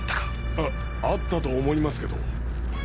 ああったと思いますけど。